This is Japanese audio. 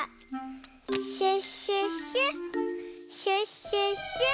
シュッシュッシュシュッシュッシュ！